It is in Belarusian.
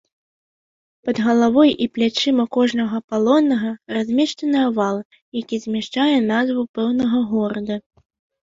Пад галавой і плячыма кожнага палоннага размешчаны авал, які змяшчае назву пэўнага горада.